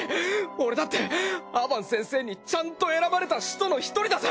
俺だってアバン先生にちゃんと選ばれた使徒の１人だぜ！